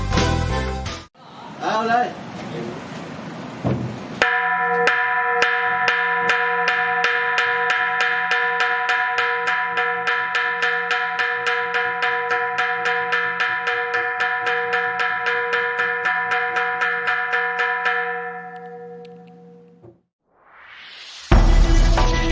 ก็ไม่น่าจะดังกึ่งนะ